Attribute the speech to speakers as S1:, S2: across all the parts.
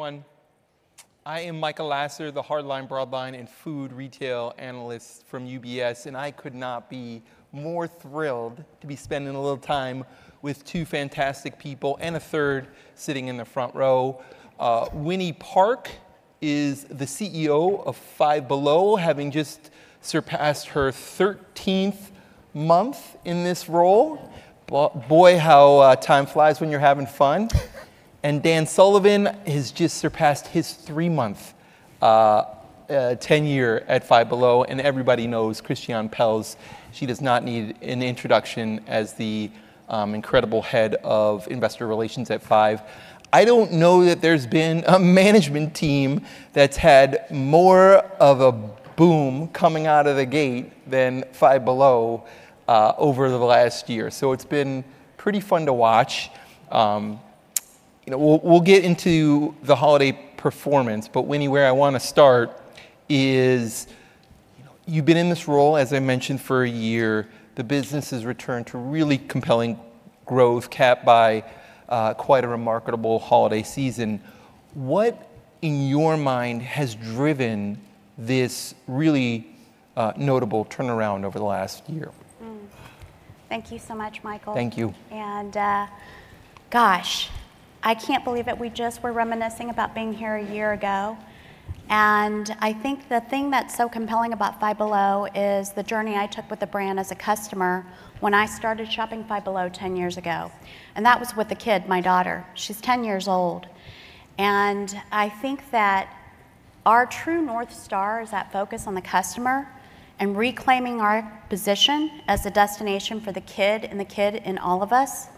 S1: Everyone, I am Michael Lasser, the Hardline, Broadline, and Food Retail Analyst from UBS, and I could not be more thrilled to be spending a little time with two fantastic people and a third sitting in the front row. Winnie Park is the CEO of Five Below, having just surpassed her 13th month in this role. Boy, how time flies when you're having fun, and Dan Sullivan has just surpassed his three-month tenure at Five Below, and everybody knows Christiane Pelz. She does not need an introduction as the incredible head of investor relations at Five. I don't know that there's been a management team that's had more of a boom coming out of the gate than Five Below over the last year, so it's been pretty fun to watch. We'll get into the holiday performance, but Winnie, where I want to start is, you've been in this role, as I mentioned, for a year. The business has returned to really compelling growth, capped by quite a remarkable holiday season. What, in your mind, has driven this really notable turnaround over the last year?
S2: Thank you so much, Michael.
S1: Thank you.
S2: Gosh, I can't believe it. We just were reminiscing about being here a year ago, and I think the thing that's so compelling about Five Below is the journey I took with the brand as a customer when I started shopping Five Below 10 years ago, and that was with a kid, my daughter. She's 10 years old, and I think that our true north star is that focus on the customer and reclaiming our position as a destination for the kid and the kid in all of us.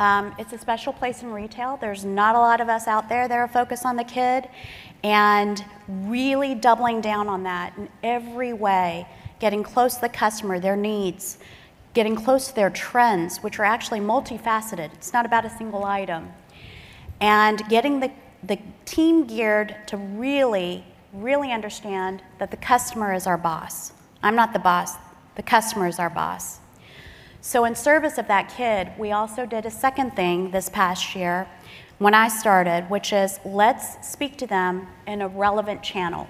S2: It's a special place in retail. There's not a lot of us out there that are focused on the kid and really doubling down on that in every way, getting close to the customer, their needs, getting close to their trends, which are actually multifaceted. It's not about a single item. Getting the team geared to really, really understand that the customer is our boss. I'm not the boss. The customer is our boss. In service of that kid, we also did a second thing this past year when I started, which is let's speak to them in a relevant channel.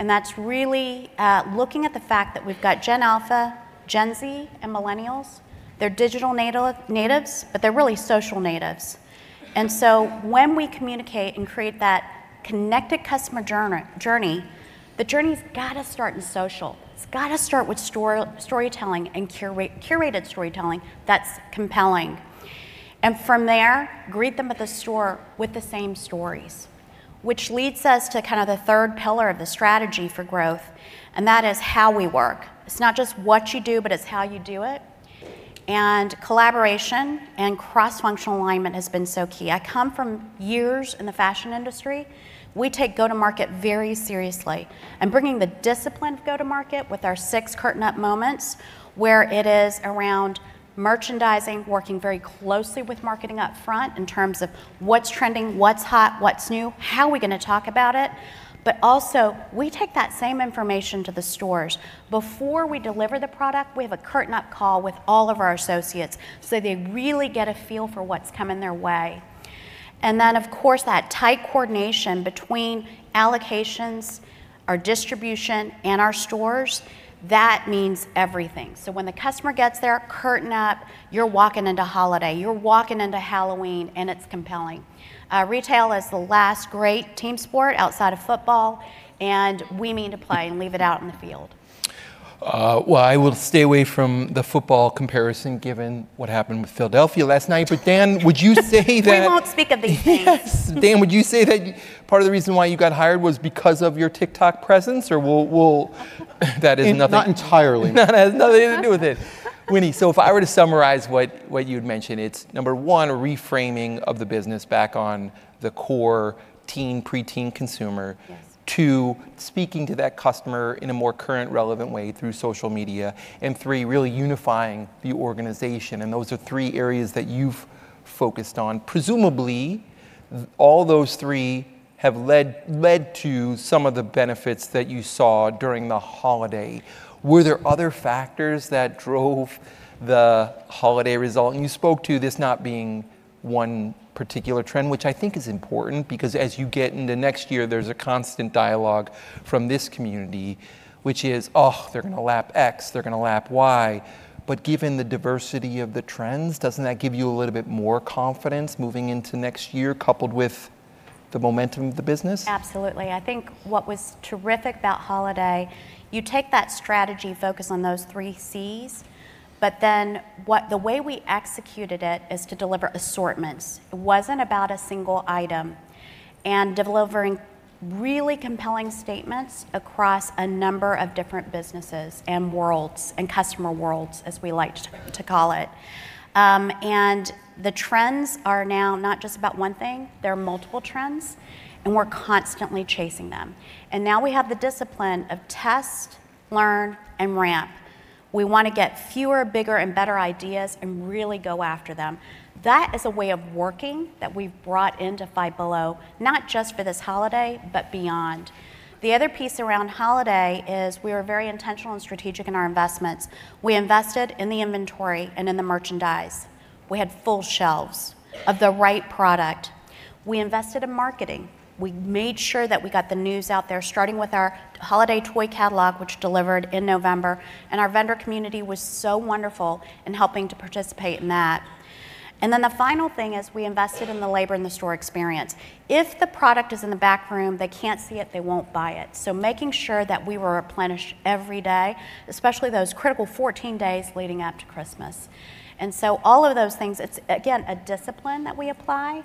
S2: That's really looking at the fact that we've got Gen Alpha, Gen Z, and Millennials. They're digital natives, but they're really social natives. When we communicate and create that connected customer journey, the journey's got to start in social. It's got to start with storytelling and curated storytelling that's compelling. From there, greet them at the store with the same stories, which leads us to kind of the third pillar of the strategy for growth, and that is how we work. It's not just what you do, but it's how you do it. And collaboration and cross-functional alignment has been so key. I come from years in the fashion industry. We take go-to-market very seriously and bringing the discipline of go-to-market with our six curtain-up moments, where it is around merchandising, working very closely with marketing upfront in terms of what's trending, what's hot, what's new, how are we going to talk about it. But also, we take that same information to the stores. Before we deliver the product, we have a curtain-up call with all of our associates so they really get a feel for what's coming their way. And then, of course, that tight coordination between allocations, our distribution, and our stores, that means everything. So when the customer gets their curtain up, you're walking into holiday, you're walking into Halloween, and it's compelling. Retail is the last great team sport outside of football, and we mean to play and leave it all out on the field.
S1: I will stay away from the football comparison given what happened with Philadelphia last night, but Dan, would you say that?
S2: We won't speak of these things.
S1: Dan, would you say that part of the reason why you got hired was because of your TikTok presence, or that is nothing?
S3: Not entirely.
S1: That has nothing to do with it. Winnie, so if I were to summarize what you had mentioned, it's number one, reframing of the business back on the core teen, pre-teen consumer, two, speaking to that customer in a more current, relevant way through social media, and three, really unifying the organization, and those are three areas that you've focused on. Presumably, all those three have led to some of the benefits that you saw during the holiday. Were there other factors that drove the holiday result, and you spoke to this not being one particular trend, which I think is important because as you get into next year, there's a constant dialogue from this community, which is, oh, they're going to lap X, they're going to lap Y. But given the diversity of the trends, doesn't that give you a little bit more confidence moving into next year, coupled with the momentum of the business?
S2: Absolutely. I think what was terrific about holiday—you take that strategy, focus on those three Cs—but then the way we executed it is to deliver assortments. It wasn't about a single item and delivering really compelling statements across a number of different businesses and worlds and customer worlds, as we like to call it. The trends are now not just about one thing. There are multiple trends, and we're constantly chasing them. Now we have the discipline of test, learn, and ramp. We want to get fewer, bigger, and better ideas and really go after them. That is a way of working that we've brought into Five Below, not just for this holiday, but beyond. The other piece around holiday is we were very intentional and strategic in our investments. We invested in the inventory and in the merchandise. We had full shelves of the right product. We invested in marketing. We made sure that we got the news out there, starting with our holiday toy catalog, which delivered in November, and our vendor community was so wonderful in helping to participate in that. And then the final thing is we invested in the labor and the store experience. If the product is in the back room, they can't see it, they won't buy it. So making sure that we were replenished every day, especially those critical 14 days leading up to Christmas. And so all of those things, it's again a discipline that we apply,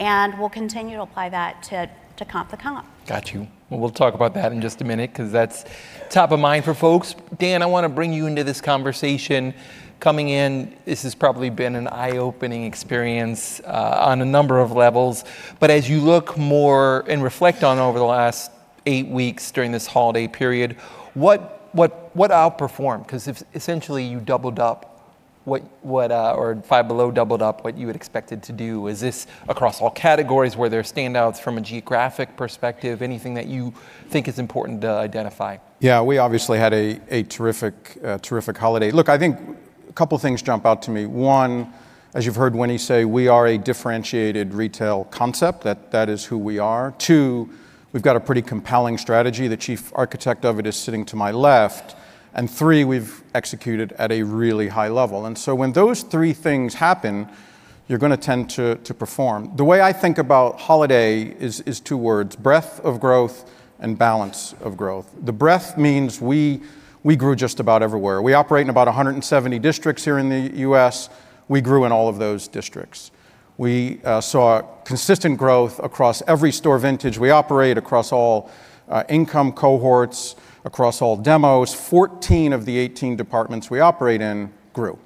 S2: and we'll continue to apply that to comp the comp.
S1: Got you. Well, we'll talk about that in just a minute because that's top of mind for folks. Dan, I want to bring you into this conversation. Coming in, this has probably been an eye-opening experience on a number of levels, but as you look more and reflect on over the last eight weeks during this holiday period, what outperformed? Because essentially you doubled up, or Five Below doubled up what you had expected to do. Is this across all categories? Were there standouts from a geographic perspective? Anything that you think is important to identify?
S3: Yeah, we obviously had a terrific holiday. Look, I think a couple of things jump out to me. One, as you've heard Winnie say, we are a differentiated retail concept. That is who we are. Two, we've got a pretty compelling strategy. The chief architect of it is sitting to my left. And three, we've executed at a really high level. And so when those three things happen, you're going to tend to perform. The way I think about holiday is two words: breadth of growth and balance of growth. The breadth means we grew just about everywhere. We operate in about 170 districts here in the U.S. We grew in all of those districts. We saw consistent growth across every store vintage. We operate across all income cohorts, across all demos. 14 of the 18 departments we operate in grew.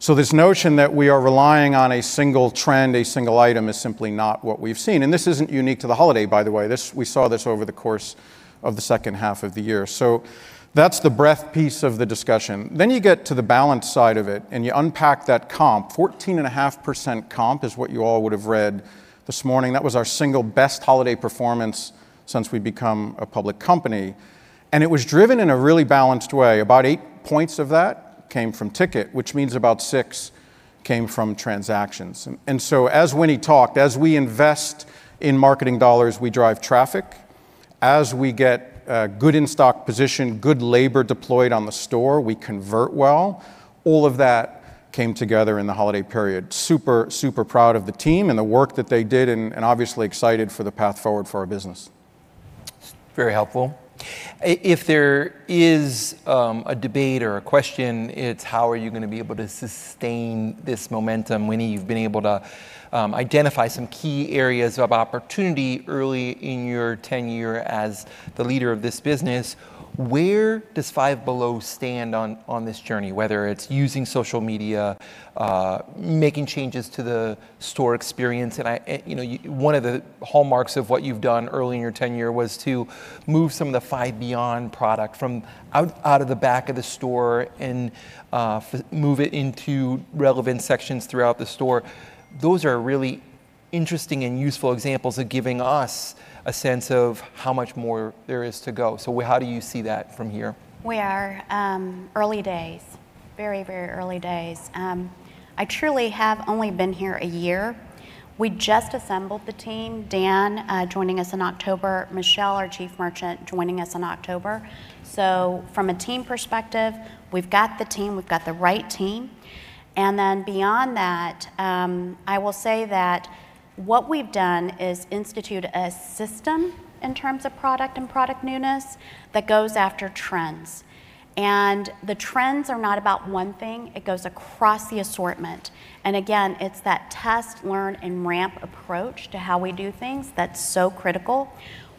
S3: So this notion that we are relying on a single trend, a single item, is simply not what we've seen. And this isn't unique to the holiday, by the way. We saw this over the course of the second half of the year. So that's the breadth piece of the discussion. Then you get to the balance side of it, and you unpack that comp. 14.5% comp is what you all would have read this morning. That was our single best holiday performance since we became a public company. And it was driven in a really balanced way. About eight points of that came from ticket, which means about six came from transactions. And so as Winnie talked, as we invest in marketing dollars, we drive traffic. As we get good in-stock position, good labor deployed on the store, we convert well. All of that came together in the holiday period. Super, super proud of the team and the work that they did and obviously excited for the path forward for our business.
S1: Very helpful. If there is a debate or a question, it's how are you going to be able to sustain this momentum? Winnie, you've been able to identify some key areas of opportunity early in your tenure as the leader of this business. Where does Five Below stand on this journey, whether it's using social media, making changes to the store experience? And one of the hallmarks of what you've done early in your tenure was to move some of the Five Beyond product from out of the back of the store and move it into relevant sections throughout the store. Those are really interesting and useful examples of giving us a sense of how much more there is to go. So how do you see that from here?
S2: We are. Early days. Very, very early days. I truly have only been here a year. We just assembled the team. Dan joining us in October, Michelle, our Chief Merchant, joining us in October. So from a team perspective, we've got the team. We've got the right team. And then beyond that, I will say that what we've done is institute a system in terms of product and product newness that goes after trends. And the trends are not about one thing. It goes across the assortment. And again, it's that test, learn, and ramp approach to how we do things that's so critical.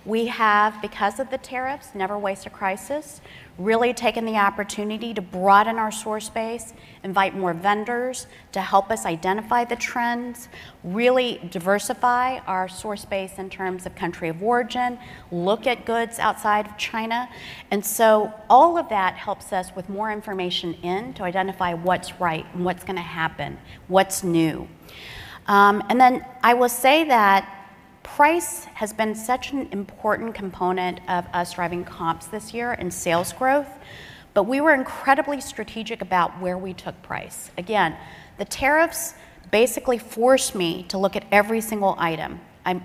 S2: We have, because of the tariffs, never waste a crisis, really taken the opportunity to broaden our store space, invite more vendors to help us identify the trends, really diversify our store space in terms of country of origin, look at goods outside of China. All of that helps us with more information into identify what's right and what's going to happen, what's new. Then I will say that price has been such an important component of us driving comps this year and sales growth, but we were incredibly strategic about where we took price. Again, the tariffs basically forced me to look at every single item.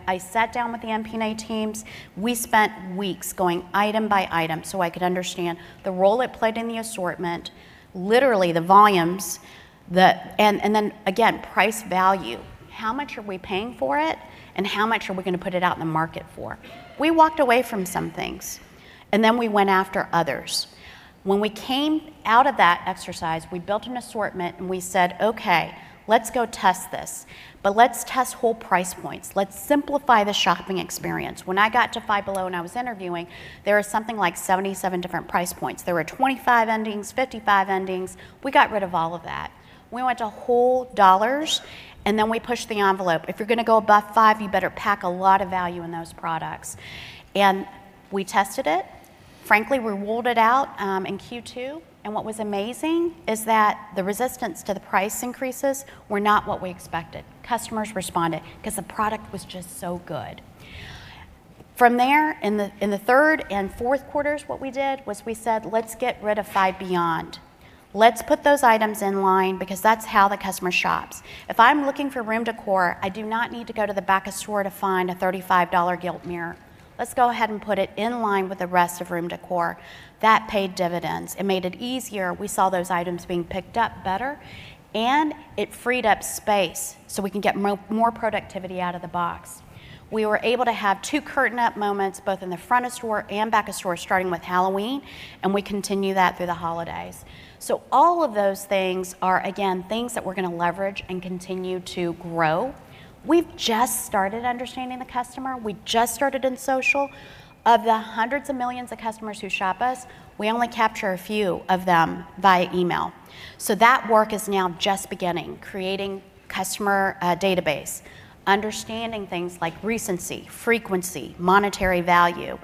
S2: I sat down with the MP&A teams. We spent weeks going item by item so I could understand the role it played in the assortment, literally the volumes. Then again, price value. How much are we paying for it, and how much are we going to put it out in the market for? We walked away from some things, and then we went after others. When we came out of that exercise, we built an assortment, and we said, "Okay, let's go test this, but let's test whole price points. Let's simplify the shopping experience." When I got to Five Below and I was interviewing, there was something like 77 different price points. There were 25 endings, 55 endings. We got rid of all of that. We went to whole dollars, and then we pushed the envelope. If you're going to go above five, you better pack a lot of value in those products. And we tested it. Frankly, we ruled it out in Q2. And what was amazing is that the resistance to the price increases were not what we expected. Customers responded because the product was just so good. From there, in the third and fourth quarters, what we did was we said, "Let's get rid of Five Beyond. Let's put those items in line because that's how the customer shops." If I'm looking for room decor, I do not need to go to the back of store to find a $35 gilt mirror. Let's go ahead and put it in line with the rest of room decor. That paid dividends. It made it easier. We saw those items being picked up better, and it freed up space so we can get more productivity out of the box. We were able to have two curtain-up moments, both in the front of store and back of store, starting with Halloween, and we continue that through the holidays. So all of those things are, again, things that we're going to leverage and continue to grow. We've just started understanding the customer. We just started in social. Of the hundreds of millions of customers who shop us, we only capture a few of them via email, so that work is now just beginning, creating a customer database, understanding things like recency, frequency, monetary value,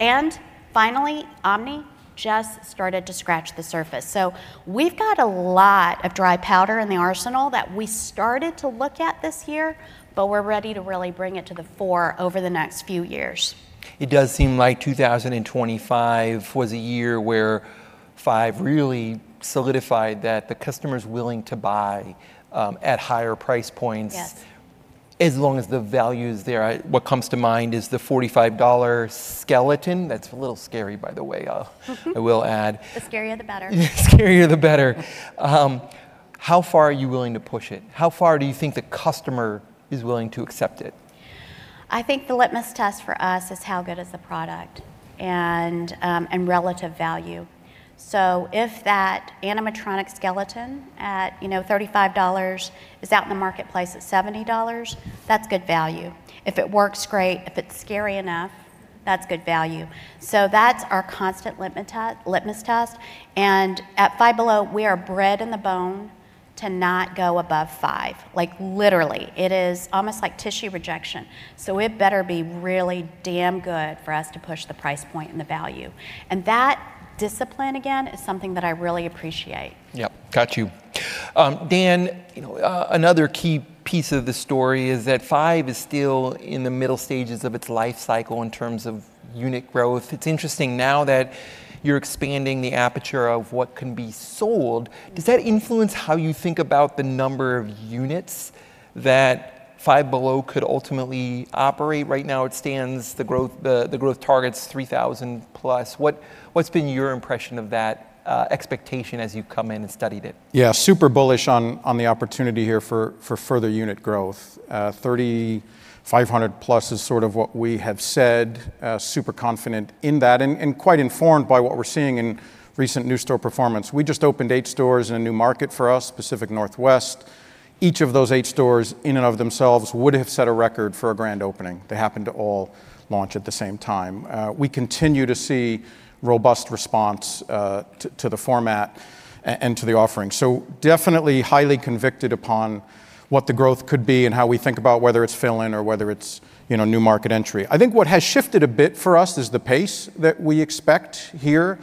S2: and finally, omni just started to scratch the surface, so we've got a lot of dry powder in the arsenal that we started to look at this year, but we're ready to really bring it to the fore over the next few years.
S1: It does seem like 2025 was a year where Five really solidified that the customer's willing to buy at higher price points. As long as the value is there, what comes to mind is the $45 skeleton. That's a little scary, by the way, I will add.
S2: The scarier, the better.
S1: The scarier, the better. How far are you willing to push it? How far do you think the customer is willing to accept it?
S2: I think the litmus test for us is how good is the product and relative value. So if that animatronic skeleton at $35 is out in the marketplace at $70, that's good value. If it works great, if it's scary enough, that's good value. So that's our constant litmus test. And at Five Below, we are bred in the bone to not go above five. Literally, it is almost like tissue rejection. So it better be really damn good for us to push the price point and the value. And that discipline, again, is something that I really appreciate.
S1: Yep. Got you. Dan, another key piece of the story is that Five is still in the middle stages of its life cycle in terms of unit growth. It's interesting now that you're expanding the aperture of what can be sold. Does that influence how you think about the number of units that Five Below could ultimately operate? Right now, it stands, the growth target's 3,000 plus. What's been your impression of that expectation as you come in and studied it?
S3: Yeah, super bullish on the opportunity here for further unit growth. 3,500 plus is sort of what we have said. Super confident in that and quite informed by what we're seeing in recent new store performance. We just opened eight stores in a new market for us, Pacific Northwest. Each of those eight stores in and of themselves would have set a record for a grand opening to happen to all launch at the same time. We continue to see robust response to the format and to the offering. So definitely highly convicted upon what the growth could be and how we think about whether it's fill-in or whether it's new market entry. I think what has shifted a bit for us is the pace that we expect here.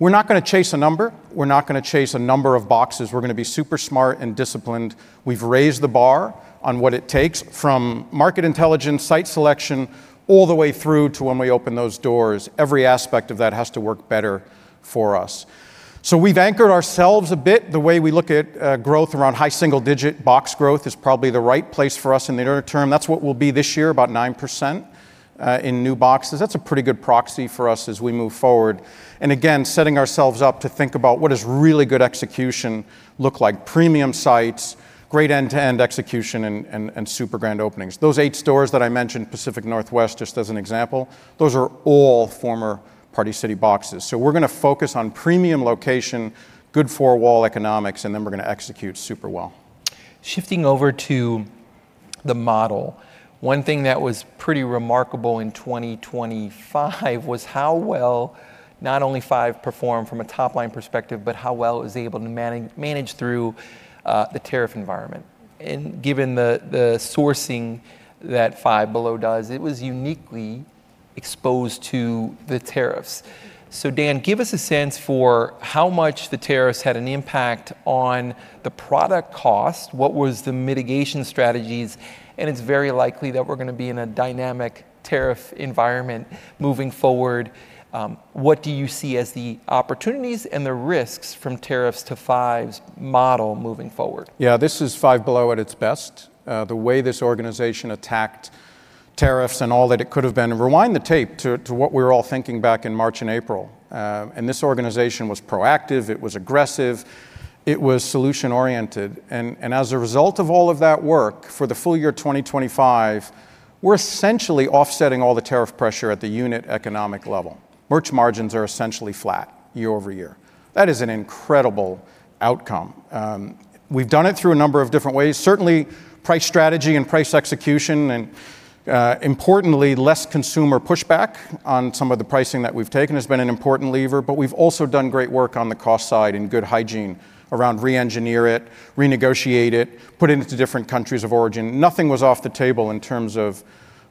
S3: We're not going to chase a number. We're not going to chase a number of boxes. We're going to be super smart and disciplined. We've raised the bar on what it takes from market intelligence, site selection, all the way through to when we open those doors. Every aspect of that has to work better for us. So we've anchored ourselves a bit. The way we look at growth around high single-digit box growth is probably the right place for us in the near term. That's what we'll be this year, about 9% in new boxes. That's a pretty good proxy for us as we move forward. And again, setting ourselves up to think about what does really good execution look like? Premium sites, great end-to-end execution, and super grand openings. Those eight stores that I mentioned, Pacific Northwest just as an example, those are all former Party City boxes. So we're going to focus on premium location, good four-wall economics, and then we're going to execute super well.
S1: Shifting over to the model, one thing that was pretty remarkable in 2025 was how well not only Five performed from a top-line perspective, but how well it was able to manage through the tariff environment. And given the sourcing that Five Below does, it was uniquely exposed to the tariffs. So Dan, give us a sense for how much the tariffs had an impact on the product cost, what were the mitigation strategies, and it's very likely that we're going to be in a dynamic tariff environment moving forward. What do you see as the opportunities and the risks from the tariffs to Five's model moving forward?
S3: Yeah, this is Five Below at its best. The way this organization attacked tariffs and all that it could have been, rewind the tape to what we were all thinking back in March and April. And this organization was proactive. It was aggressive. It was solution-oriented. And as a result of all of that work for the full year 2025, we're essentially offsetting all the tariff pressure at the unit economic level. Merch margins are essentially flat year over year. That is an incredible outcome. We've done it through a number of different ways. Certainly, price strategy and price execution, and importantly, less consumer pushback on some of the pricing that we've taken has been an important lever, but we've also done great work on the cost side and good hygiene around re-engineer it, renegotiate it, put it into different countries of origin. Nothing was off the table in terms of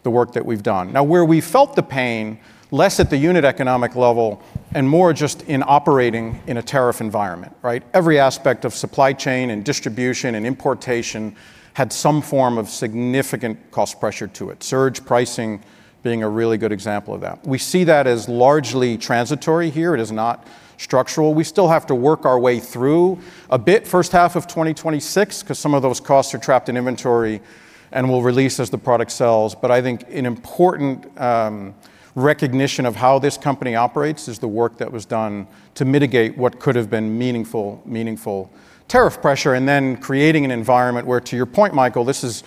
S3: the work that we've done. Now, where we felt the pain, less at the unit economic level and more just in operating in a tariff environment. Every aspect of supply chain and distribution and importation had some form of significant cost pressure to it. Surge pricing being a really good example of that. We see that as largely transitory here. It is not structural. We still have to work our way through a bit first half of 2026 because some of those costs are trapped in inventory and will release as the product sells. But I think an important recognition of how this company operates is the work that was done to mitigate what could have been meaningful tariff pressure and then creating an environment where, to your point, Michael, this is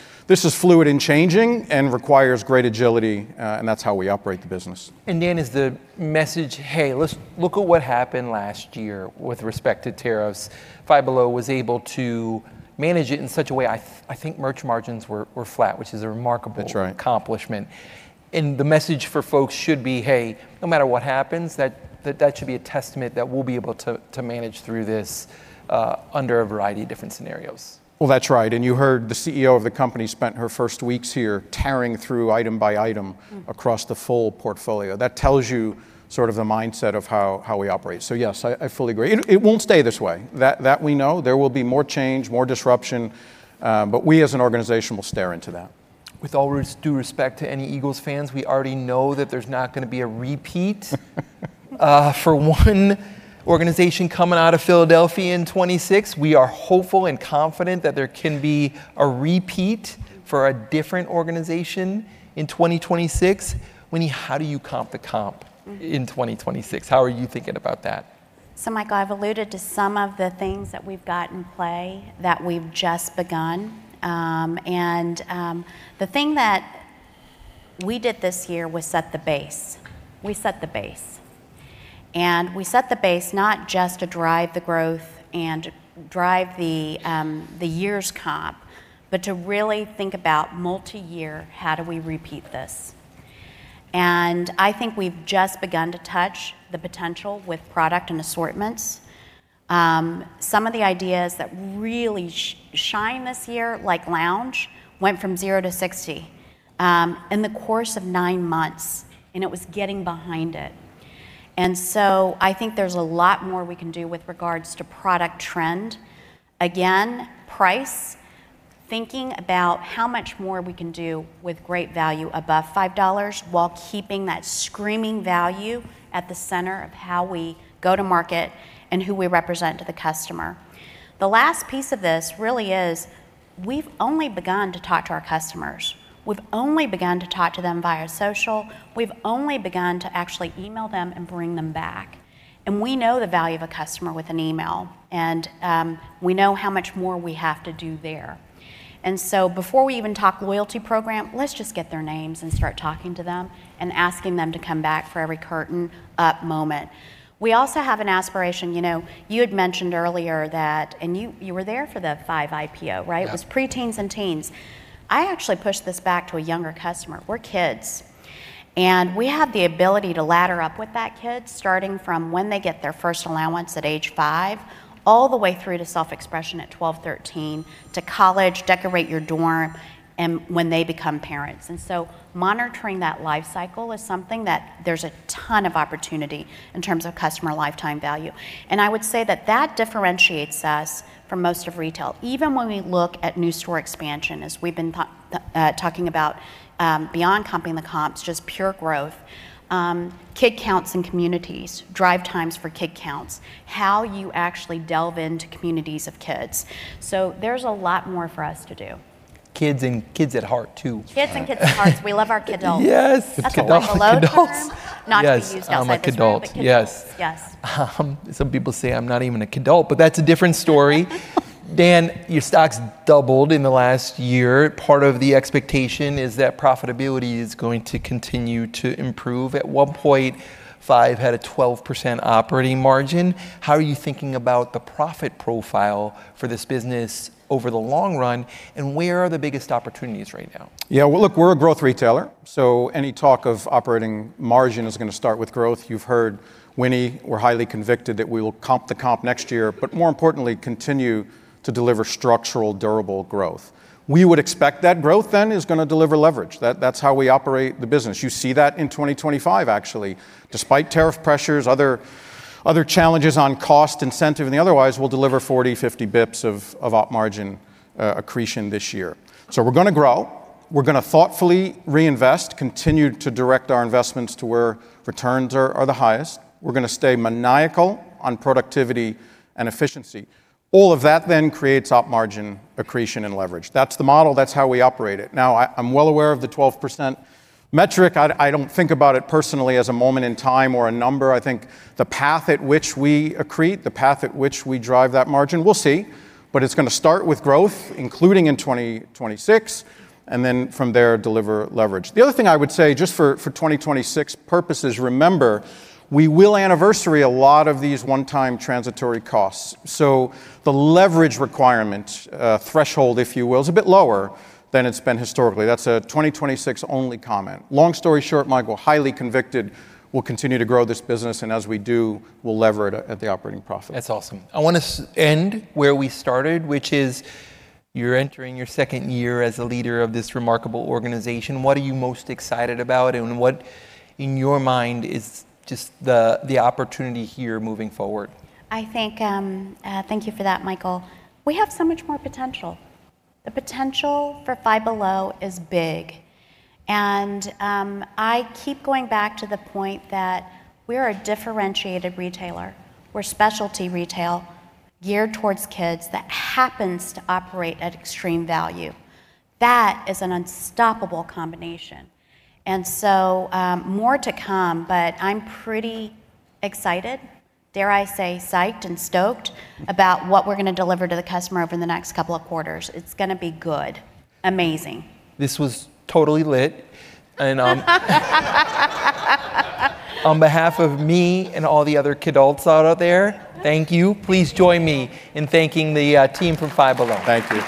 S3: fluid and changing and requires great agility, and that's how we operate the business.
S1: Dan, is the message, "Hey, let's look at what happened last year with respect to tariffs." Five Below was able to manage it in such a way I think merch margins were flat, which is a remarkable accomplishment. The message for folks should be, "Hey, no matter what happens, that should be a testament that we'll be able to manage through this under a variety of different scenarios.
S3: Well, that's right. And you heard the CEO of the company spent her first weeks here tearing through item by item across the full portfolio. That tells you sort of the mindset of how we operate. So yes, I fully agree. It won't stay this way. That we know. There will be more change, more disruption, but we as an organization will stare into that.
S1: With all due respect to any Eagles fans, we already know that there's not going to be a repeat for one organization coming out of Philadelphia in 2026. We are hopeful and confident that there can be a repeat for a different organization in 2026. Winnie, how do you comp the comp in 2026? How are you thinking about that?
S2: So, Michael, I've alluded to some of the things that we've got in play that we've just begun. And the thing that we did this year was set the base. We set the base. And we set the base not just to drive the growth and drive the year's comp, but to really think about multi-year, how do we repeat this? And I think we've just begun to touch the potential with product and assortments. Some of the ideas that really shine this year, like lounge, went from zero to 60 in the course of nine months, and it was getting behind it. And so I think there's a lot more we can do with regards to product trend. Again, price, thinking about how much more we can do with great value above $5 while keeping that screaming value at the center of how we go to market and who we represent to the customer. The last piece of this really is we've only begun to talk to our customers. We've only begun to talk to them via social. We've only begun to actually email them and bring them back. And we know the value of a customer with an email, and we know how much more we have to do there. And so before we even talk loyalty program, let's just get their names and start talking to them and asking them to come back for every curtain-up moment. We also have an aspiration. You had mentioned earlier that, and you were there for the Five IPO, right? It was pre-teens and teens. I actually pushed this back to a younger customer. We're kids, and we have the ability to ladder up with that kid starting from when they get their first allowance at age five, all the way through to self-expression at 12, 13, to college, decorate your dorm, and when they become parents, and so monitoring that life cycle is something that there's a ton of opportunity in terms of customer lifetime value, and I would say that that differentiates us from most of retail. Even when we look at new store expansion, as we've been talking about beyond comping the comps, just pure growth, kid counts in communities, drive times for kid counts, how you actually delve into communities of kids, so there's a lot more for us to do.
S1: Kids and kids at heart, too.
S2: Kids and kids at heart. We love our kidult.
S1: Yes.
S3: It's kidult.
S2: kidult.
S1: kidult.
S2: Not to be used as a nickname.
S1: Yes, I'm a kidult.
S2: Yes.
S1: Some people say I'm not even a kidult, but that's a different story. Dan, your stock's doubled in the last year. Part of the expectation is that profitability is going to continue to improve. At one point, Five had a 12% operating margin. How are you thinking about the profit profile for this business over the long run, and where are the biggest opportunities right now?
S3: Yeah, well, look, we're a growth retailer, so any talk of operating margin is going to start with growth. You've heard Winnie. We're highly convicted that we will comp the comp next year, but more importantly, continue to deliver structural, durable growth. We would expect that growth then is going to deliver leverage. That's how we operate the business. You see that in 2025, actually. Despite tariff pressures, other challenges on cost, incentive, and the otherwise, we'll deliver 40-50 basis points of op margin accretion this year. So we're going to grow. We're going to thoughtfully reinvest, continue to direct our investments to where returns are the highest. We're going to stay maniacal on productivity and efficiency. All of that then creates op margin accretion and leverage. That's the model. That's how we operate it. Now, I'm well aware of the 12% metric. I don't think about it personally as a moment in time or a number. I think the path at which we accrete, the path at which we drive that margin, we'll see. But it's going to start with growth, including in 2026, and then from there deliver leverage. The other thing I would say just for 2026 purposes, remember, we will anniversary a lot of these one-time transitory costs. So the leverage requirement threshold, if you will, is a bit lower than it's been historically. That's a 2026 only comment. Long story short, Michael, highly convicted, we'll continue to grow this business, and as we do, we'll lever it at the operating profit.
S1: That's awesome. I want to end where we started, which is you're entering your second year as a leader of this remarkable organization. What are you most excited about, and what in your mind is just the opportunity here moving forward?
S2: I think, thank you for that, Michael. We have so much more potential. The potential for Five Below is big, and I keep going back to the point that we're a differentiated retailer. We're specialty retail geared towards kids that happens to operate at extreme value. That is an unstoppable combination, and so more to come, but I'm pretty excited, dare I say, psyched and stoked about what we're going to deliver to the customer over the next couple of quarters. It's going to be good. Amazing!
S1: This was totally lit. On behalf of me and all the other kidults out there, thank you. Please join me in thanking the team from Five Below.
S3: Thank you.